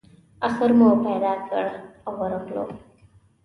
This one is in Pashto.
آخر مو پیدا کړ او ورغلو.